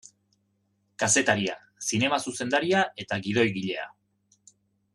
Kazetaria, zinema zuzendaria eta gidoigilea.